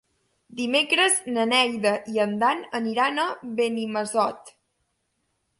Dimecres na Neida i en Dan aniran a Benimassot.